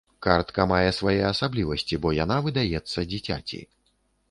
Картка мае свае асаблівасці, бо яна выдаецца дзіцяці.